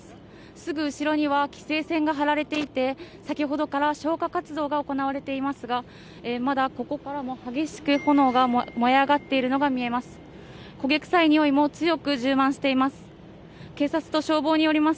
すぐ後ろには規制線が張られていて、先ほどから消火活動が行われていますが、まだここからも激しく炎が燃え上がっているのが見えます。